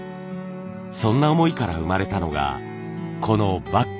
そんな思いから生まれたのがこのバッグ。